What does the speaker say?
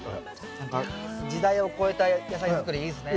何か時代を超えた野菜づくりいいですね。